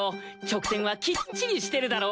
直線はきっちりしてるだろ？